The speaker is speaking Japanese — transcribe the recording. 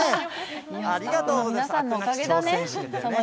ありがとうございます。